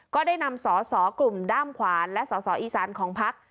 ก็ได้นำสอสอกลุ่มด้ามขวานและสอสออีสานของพัก